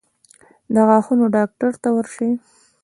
د غاښونو ډاکټر ته ورشئ